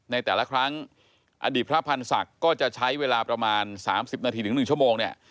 ในแต่ละครั้งอดีตพระพันธ์ศักดิ์ก็จะใช้เวลาประมาณ๓๐นาทีถึง๑ชั่วโมงเนี่ย